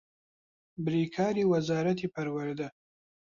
بریکاری وەزارەتی پەروەردە